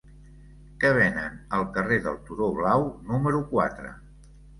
Què venen al carrer del Turó Blau número quatre?